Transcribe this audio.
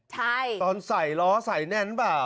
ใช่ตอนใส่ล้อใส่แน่นหรอ